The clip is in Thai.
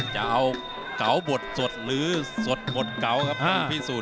จะเอาเก่าบทสดรอบเก่าครับพี่สูย